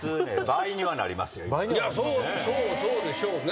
いやそうでしょうね。